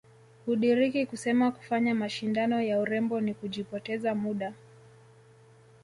Hudiriki kusema kufanya mashindano ya urembo ni kujipoteza muda